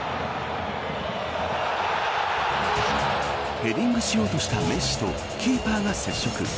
ヘディングしようとしたメッシとキーパーが接触。